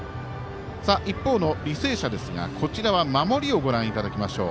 一方の履正社ですが守りをご覧いただきましょう。